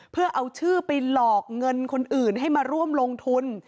เพื่อเอาชื่อไปหลอกเงินคนอื่นให้มาร่วมลงทุน